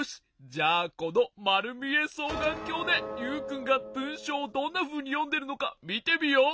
じゃあこのまるみえそうがんきょうでユウくんがぶんしょうをどんなふうによんでるのかみてみよう。